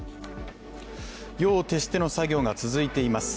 夜を徹しての作業が続いています。